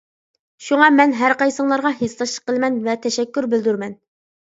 شۇڭا مەن ھەرقايسىڭلارغا ھېسداشلىق قىلىمەن ۋە تەشەككۈر بىلدۈرىمەن.